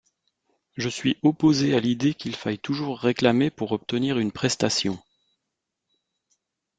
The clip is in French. Je suis opposé à l’idée qu’il faille toujours réclamer pour obtenir une prestation.